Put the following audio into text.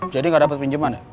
jadi gak dapat pinjeman ya